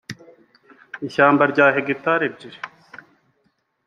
ishyamba rya hegitari ebyiri